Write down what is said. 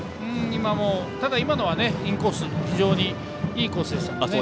今のはインコース非常にいいコースでした。